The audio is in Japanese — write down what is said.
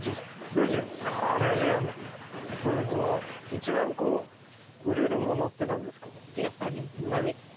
一番売れるものって何ですか？